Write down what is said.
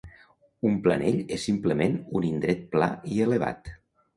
Un planell és simplement un indret pla i elevat.